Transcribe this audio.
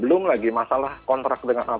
kalau mereka dipisah akan menghilang